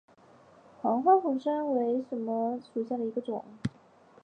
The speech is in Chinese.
黄花红砂为柽柳科红砂属下的一个种。